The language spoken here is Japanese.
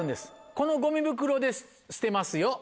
このゴミ袋で捨てますよ